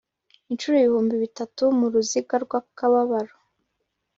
inshuro ibihumbi bitatu muruziga rw'akababaro